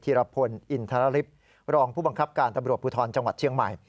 รพลอินทรลิฟต์รองผู้บังคับการตำรวจภูทรจังหวัดเชียงใหม่